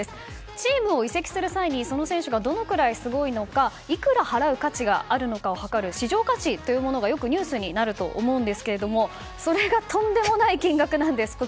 チームを移籍する際にその選手がどのくらいすごいのかいくら払う価値があるのかという市場価値というものがよくニュースになると思うんですがそれがとんでもない金額なんです。